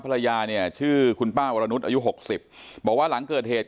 ภรรยาเนี่ยชื่อคุณป้าวรนุษย์อายุหกสิบบอกว่าหลังเกิดเหตุ